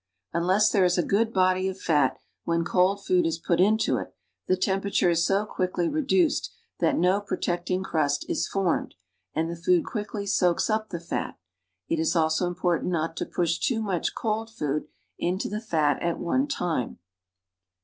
Unless there is a good body of fat when cold food is put into it, the temperature is so quickly reduced that no protect ing crust is formed, and the food cjuickly soaks up the fat. It is also important not to put too much cold food into the fat at one time.